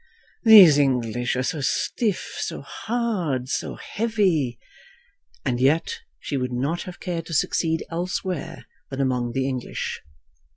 "These English are so stiff, so hard, so heavy!" And yet she would not have cared to succeed elsewhere than among the English.